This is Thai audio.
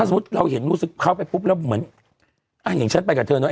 สมมุติเราเห็นรู้สึกเขาไปปุ๊บแล้วเหมือนอ่ะอย่างฉันไปกับเธอเนอ